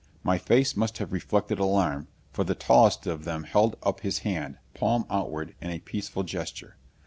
My face must have reflected alarm, for the tallest of them held up his hand, palm outward, in a peaceful gesture.